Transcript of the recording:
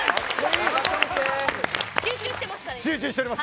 集中しております。